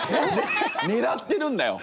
狙ってるんだよ。